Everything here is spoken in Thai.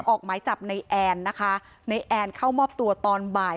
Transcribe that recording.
ออกหมายจับในแอนนะคะในแอนเข้ามอบตัวตอนบ่าย